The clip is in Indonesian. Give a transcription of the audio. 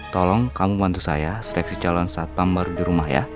tolong kamu bantu saya seleksi calon satpam baru di rumah ya